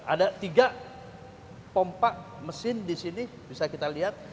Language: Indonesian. ada tiga pompa mesin di sini bisa kita lihat